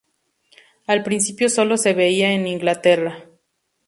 Al principio sólo se veía en Inglaterra.